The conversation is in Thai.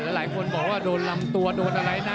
หลายคนบอกว่าโดนลำตัวโดนอะไรนะ